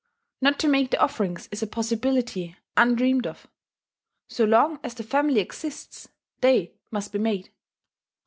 Not to make the offerings is a possibility undreamed of: so long as the family exists they must be made.